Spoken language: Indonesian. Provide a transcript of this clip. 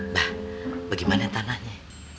bah bagaimana tanahnya